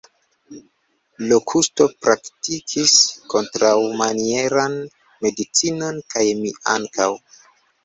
Lokusto praktikis kontraŭmanieran medicinon, kaj mi ankaŭ.